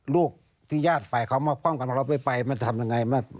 ลูกที่ญาติไปเขามาพร้อมกับเราไปมันจะทำยังไง